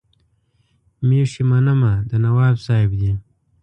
مېښې منمه د نواب صاحب دي.